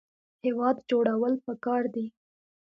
هیواد جوړول پکار دي